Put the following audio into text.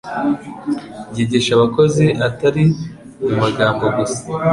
ryigisha abakozi, atari mu magambo gusa,